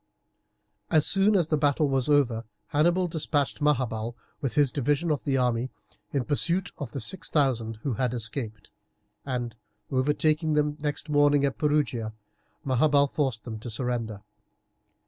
As soon as the battle was over Hannibal despatched Maharbal with his division of the army in pursuit of the six thousand who had escaped, and, overtaking them next morning at Perugia, Maharbal forced them to surrender.